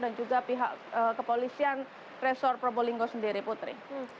dan juga pihak kepolisian resor probolinggo sendiri putri